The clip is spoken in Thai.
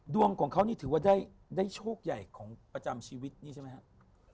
ดวงของเขานี่ถือว่าได้โชคใหญ่ของประจำชีวิตนี่ใช่ไหมครับ